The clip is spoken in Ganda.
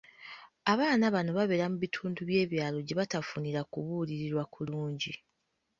Abaana bano babeera mu bitundu by'ebyalo gye batafunira kulabirirwa kulungi.